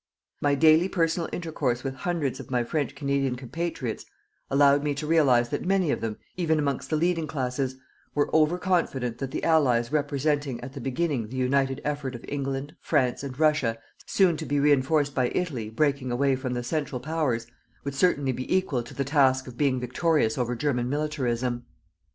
My daily personal intercourse with hundreds of my French Canadian compatriots allowed me to realize that many of them, even amongst the leading classes, were over confident that the Allies representing at the beginning the united effort of England, France and Russia, soon to be reinforced by Italy, breaking away from the Central Powers, would certainly be equal to the task of being victorious over German militarism.